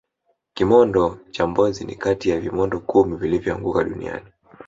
kimondo cha mbozi ni Kati ya vimondo kumi vilivyoanguka duniani